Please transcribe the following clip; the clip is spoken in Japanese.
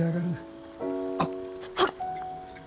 あっ！はっ！